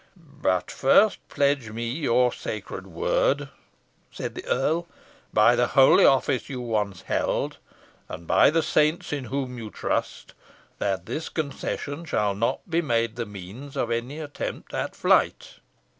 "But first pledge me your sacred word," said the earl, "by the holy office you once held, and by the saints in whom you trust, that this concession shall not be made the means of any attempt at flight."